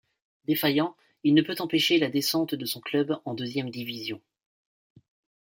Défaillant, il ne peut empêcher la descente de son club en deuxième division.